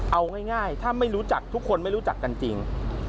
เอาง่ายถ้าไม่รู้จักทุกคนไม่รู้จักกันจริง